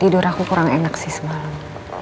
tidur aku kurang enak sih semalam